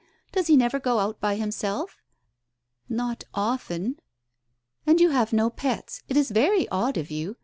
Does he never go out by himself ?" "Not often!" "And you have no pets! It is very odd of you.